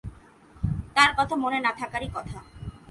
তাঁর কথা মনে না থাকারই কথা।